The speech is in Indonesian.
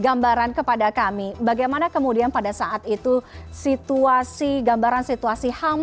gambaran kepada kami bagaimana kemudian pada saat itu situasi gambaran situasi ham